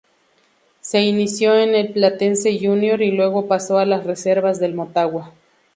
Se inició en el Platense Junior y luego pasó a las reservas del Motagua.